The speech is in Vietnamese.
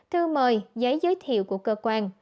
thư mời giấy giới thiệu của cơ quan